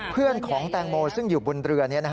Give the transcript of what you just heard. เพื่อนของแตงโมซึ่งอยู่บนเรือ